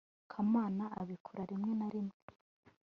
kamana abikora rimwe na rimwe